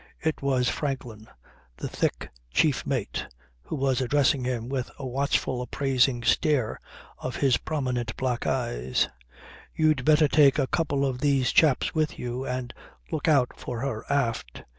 It was Franklin, the thick chief mate, who was addressing him with a watchful appraising stare of his prominent black eyes: "You'd better take a couple of these chaps with you and look out for her aft.